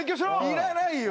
いらないよ